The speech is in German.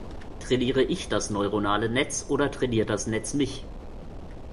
Trainiere Ich das neuronale Netz, oder trainiert das Netz mich?